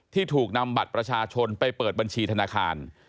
ที่ถูกนำบัตรประชาชนไปเปิดบัญชีธนาคาร